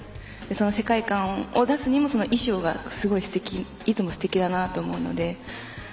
その世界観を出すにも衣装がすごいすてきいつもすてきだなと思うので。